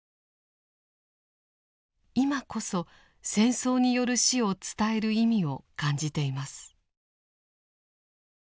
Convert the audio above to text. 今こそ戦争による死を伝える意味を感じています。